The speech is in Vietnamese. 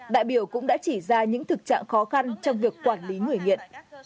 đại biểu cũng đã chỉ ra những thực trạng khó khăn trong việc quản lý người nghiện